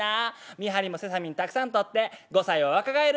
ミハルもセサミンたくさんとって５歳は若返る」。